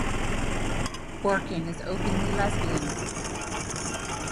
Orkin is openly lesbian.